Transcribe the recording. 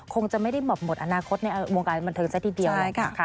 คงจะไม่ได้หมดอนาคตในวงการบันเทิงซะทีเดียว